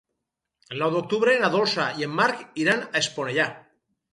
El nou d'octubre na Dolça i en Marc iran a Esponellà.